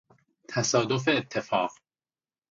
تصادف اتفاق